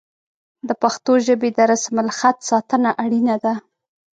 د پښتو ژبې د رسم الخط ساتنه اړینه ده.